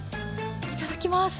いただきます。